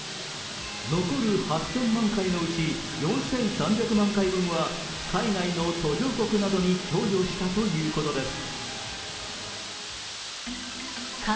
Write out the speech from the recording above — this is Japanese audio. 残る８０００万回のうち４３００万回分は海外の途上国などに供与したということです。